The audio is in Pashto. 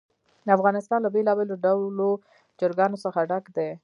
افغانستان له بېلابېلو ډولو چرګانو څخه ډک دی.